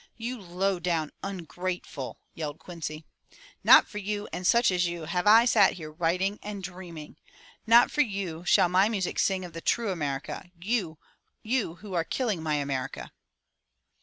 "You low down ungrateful —!" yelled Quincy. "Not for you and such as you have I sat here writing and dreaming, — not for you shall my music sing of the true America, you who are killing my America."